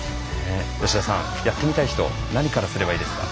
吉田さんやってみたい人何からすればいいですか？